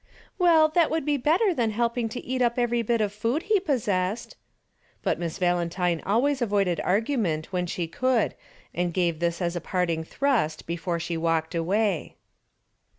"Well that would be better than helping to eat up every bit of food he possessed." But Miss Valentine always avoided argument when she could and gave this as a parting thrust before she walked away.